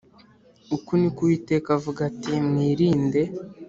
Uku ni ko Uwiteka avuga ati Mwirinde